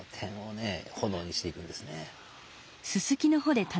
炎にしていくんですね。